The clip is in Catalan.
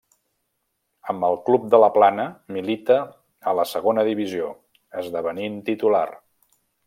Amb el club de la Plana milita a la Segona Divisió, esdevenint titular.